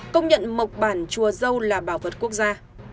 công nhận mộc bản chùa dâu là bảo vật quốc gia